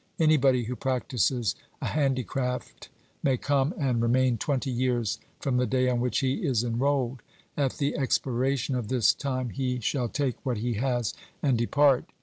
Anybody who practises a handicraft may come and remain twenty years from the day on which he is enrolled; at the expiration of this time he shall take what he has and depart.